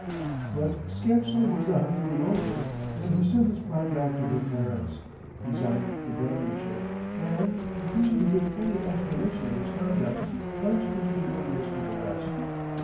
But scarcely was the honeymoon over, when he sent his bride back to her parents, resigned the governorship, and, refusing to give any explanation of his conduct, plunged into the wilderness to the west.